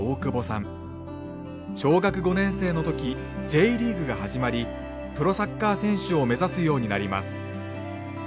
小学５年生の時Ｊリーグが始まりプロサッカー選手を目指すようになります。